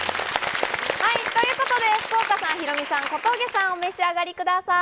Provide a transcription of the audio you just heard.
はい、ということで福岡さん、ヒロミさん、小峠さん、お召し上がりください。